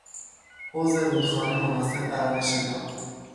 حوض رودخانه مناسب برای شنا